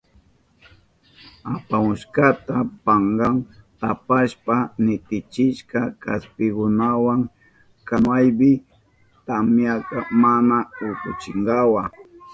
Apahushkanta pankawa tapashpan nitichishka kaspikunawa kanuwanpi, tamyaka mana ukuchinanpa.